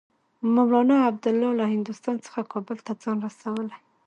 مولنا عبیدالله له هندوستان څخه کابل ته ځان رسولی.